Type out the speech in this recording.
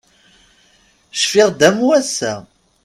Cfiɣ-d am wass-a.